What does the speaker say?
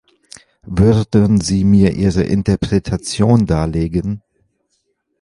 Würden Sie mir Ihre Interpretation darlegen?